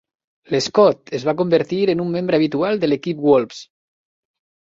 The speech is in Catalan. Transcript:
Lescott es va convertir en un membre habitual de l'equip Wolves.